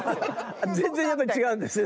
全然やっぱり違うんですね